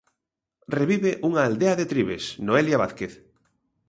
Revive unha aldea de Trives, Noelia Vázquez.